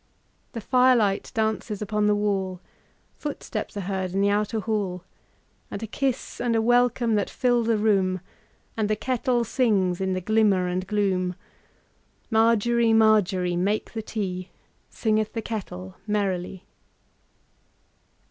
The firelight dances upon the wall, Footsteps are heard in the outer hall, And a kiss and a welcome that fill the room, And the kettle sings in the glimmer and gloom. Margery, Margery, make the tea, Singeth the kettle merrily.